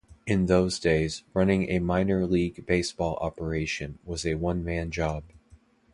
In those days, running a minor league baseball operation was a one-man job.